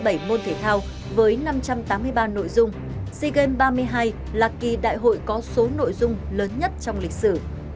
bảy môn thể thao với năm trăm tám mươi ba nội dung sea games ba mươi hai là kỳ đại hội có số nội dung lớn nhất trong lịch sử